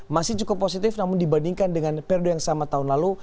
masih cukup positif namun dibandingkan dengan periode yang sama tahun lalu